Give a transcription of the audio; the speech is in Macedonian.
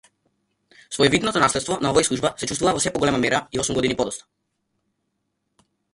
Своевидното наследствона овој служба се чувствува во сѐ поголема мера и осум години подоцна.